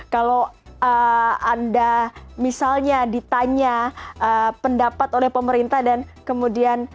kalau anda misalnya ditanya pendapat oleh pemerintah dan kemudian